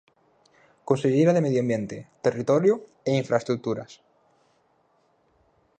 Conselleira de Medio Ambiente, Territorio e Infraestruturas.